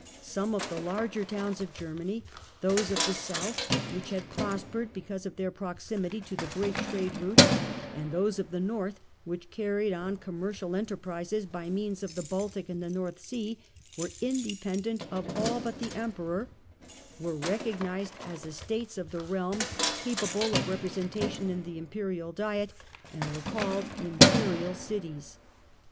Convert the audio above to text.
Some of the larger towns oi Germany, those of the South which had prospered be cause of their proximity to the great trade routes ; and those of the North which carried on commerical enter prises by means of the Baltic and the North Sea, were independent of all but the Emperor, were recognised as estates of the realm capable of representation in the Imperial Diet, and were called Imperial Cities.